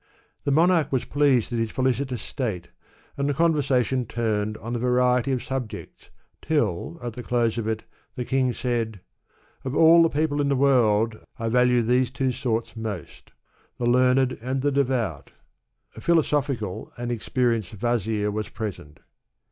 The monarch was pleased at his felicitous state, and the conversation turned on a variety of sub jects, till, at the close of it, the king said, '' Of all the people in the world, I value these two sorts most — the learned and the devout." A philosophical and experi enced vazir was present.